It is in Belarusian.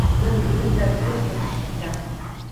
Ён прывык да простага жыцця.